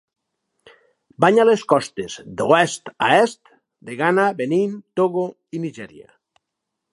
Banya les costes, d'oest a est, de Ghana, Benín, Togo i Nigèria.